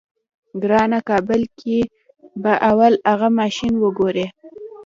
ګرانه کابل کې به اول اغه ماشين وګورې.